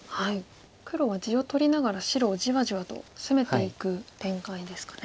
黒は地を取りながら白をじわじわと攻めていく展開ですかね。